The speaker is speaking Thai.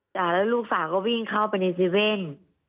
ด้านลูกฝาก็วิ่งเข้าไปในเซฟน